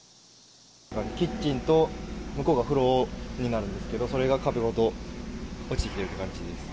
キッチンと向こうが風呂になるんですけど、それが壁ごと落ちてきてる感じです。